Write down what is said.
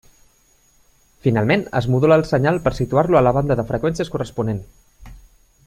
Finalment es modula el senyal per situar-lo a la banda de freqüències corresponent.